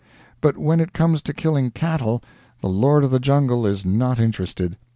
But when it comes to killing cattle, the lord of the jungle is not interested.